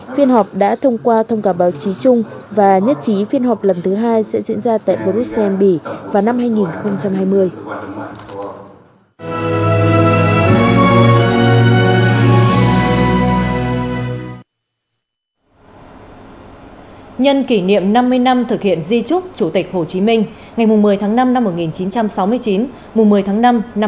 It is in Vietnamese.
phiên họp đã thông qua thông cảm báo chí chung và nhất trí phiên họp lần thứ hai sẽ diễn ra tại brussels sanby vào năm hai nghìn hai mươi